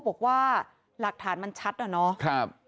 บอกว่าหลักฐานมันชัดอะเนาะ